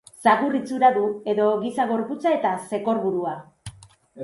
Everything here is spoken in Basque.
Zakur-itxura du, edo giza gorputza eta zekor-burua.